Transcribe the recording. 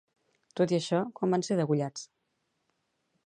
Tot i això, quan van ser degollats?